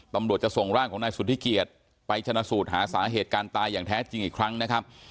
ตำรวจจะส่งร่างของนายสุธิเกียจไปชนะสูตรหาสาเหตุการณ์ตายอย่างแท้จริงอีกครั้งนะครับ